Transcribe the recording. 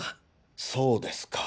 そうですか。